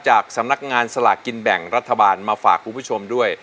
จากสำนักงานสลากกินแบ่งรัฐบาลมาฝากคุณผู้ชมด้วย